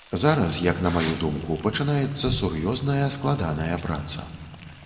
Зараз, як на маю думку, пачынаецца сур'ёзная, складаная праца.